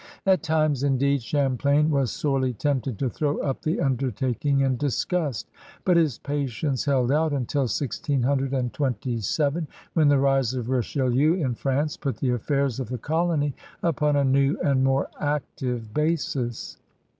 At times, indeed, Champlain was sorely tempted to throw up the undertaking in disgust. But his patience held out until 1627, wh^i the rise of Bichdieu in France put the affairs of the colony upon a new and more active basis.